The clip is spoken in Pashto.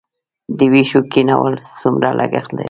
د ویښتو کینول څومره لګښت لري؟